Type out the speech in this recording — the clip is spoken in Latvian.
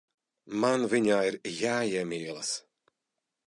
Man viņā ir jāiemīlas.